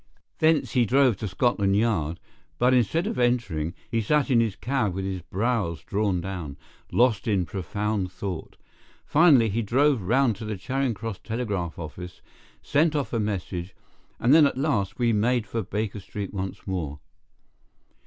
Thence he drove to Scotland Yard, but, instead of entering, he sat in his cab with his brows drawn down, lost in profound thought. Finally he drove round to the Charing Cross telegraph office, sent off a message, and then, at last, we made for Baker Street once more.